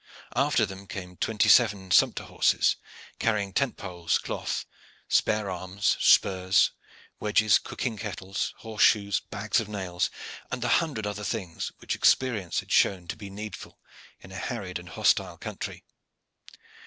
After them came twenty seven sumpter horses carrying tent poles, cloth, spare arms, spurs, wedges, cooking kettles, horse shoes, bags of nails and the hundred other things which experience had shown to be needful in a harried and hostile country.